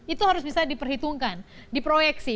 itu harus bisa diperhitungkan diproyeksi